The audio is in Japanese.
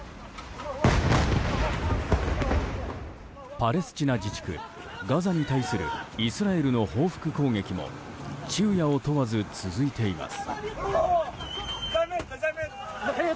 パレスチナ自治区ガザに対するイスラエルの報復攻撃も昼夜を問わず続いています。